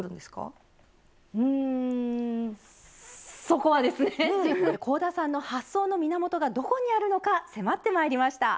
そこはですね香田さんの発想の源がどこにあるのか迫ってまいりました。